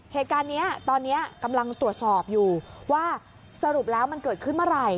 เหตุการณ์นี้ตอนนี้กำลังตรวจสอบอยู่ว่าสรุปแล้วมันเกิดขึ้นเมื่อไหร่